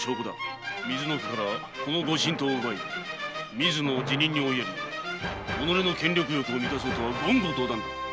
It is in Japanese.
水野家からこの御神刀を奪い水野を辞任に追いやり己の権力欲を充たそうとは言語道断！